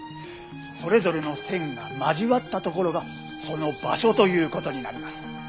それぞれの線が交わった所がその場所ということになります。